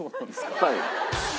はい。